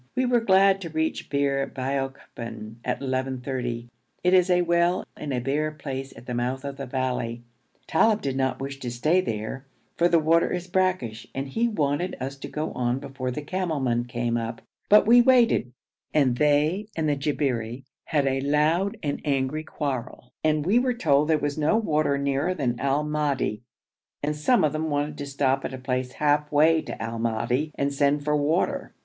We were glad to reach Bir Baokban at 11.30. It is a well in a bare place at the mouth of a valley. Talib did not wish to stay there, for the water is brackish, and he wanted us to go on before the camel men came up, but we waited, and they and the Jabberi had a loud and angry quarrel, and we were told there was no water nearer than Al Madi, and some of them wanted to stop at a place half way to Al Madi and send for water.